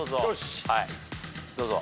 どうぞ。